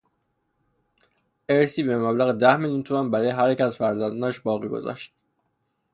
ارثی به مبلغ ده میلیون تومانبرای هر یک از فرزندانش باقی گذاشت.